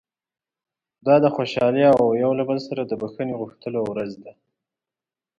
دا د خوشالۍ او یو له بله د بښنې غوښتلو ورځ ده.